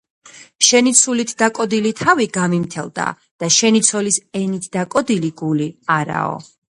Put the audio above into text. შენის ცულით დაკოდილი თავი გამიმთელდა და შენი ცოლის ენით დაკოდილი გული არაო